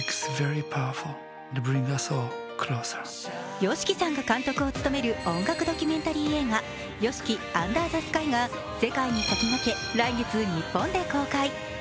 ＹＯＳＨＩＫＩさんが監督を務める本格ドキュメンタリー映画「ＹＯＳＨＩＫＩ：ＵＮＤＥＲＴＨＥＳＫＹ」が世界に先駆け来月、日本で公開。